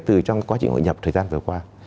từ trong quá trình hội nhập thời gian vừa qua